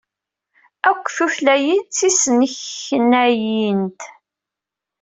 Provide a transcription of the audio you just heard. Akk tutlayin d tisneknayint.